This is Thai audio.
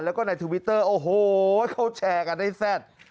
แล้วก็ในทวิตเตอร์โอ้โหเขาแชร์กันได้แซ่บ